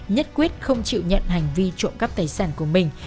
nhất quyết không chịu nhận hành vi trộm cắp tài sản của mình